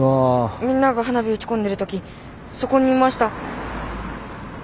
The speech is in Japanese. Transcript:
みんなが花火打ち込んでる時そこにいました。